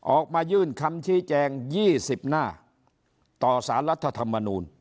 ออกมายื่นคำชี้แจง๒๐หน้าต่อสารรัฐธรรมนูล